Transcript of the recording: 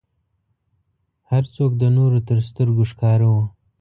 هر څوک د نورو تر سترګو ښکاره و.